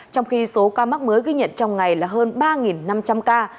trong khi số ca mắc mới ghi nhận trong ngày là hơn ba năm trăm linh ca